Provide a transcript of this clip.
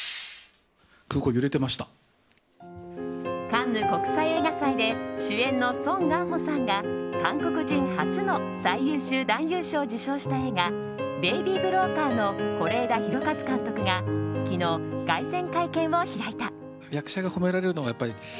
カンヌ国際映画祭で主演のソン・ガンホさんが韓国人初の最優秀男優賞を受賞した映画「ベイビー・ブローカー」の是枝裕和監督が昨日、凱旋会見を開いた。